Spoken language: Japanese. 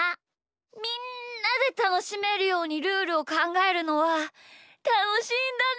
みんなでたのしめるようにルールをかんがえるのはたのしいんだね！